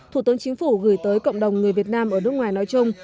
thủ tướng chính phủ gửi tới cộng đồng người việt nam ở nước ngoài nói chung